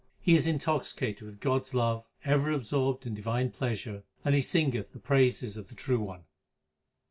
He is intoxicated with God s love, ever absorbed in divine pleasure, and he singeth the praises of the True One.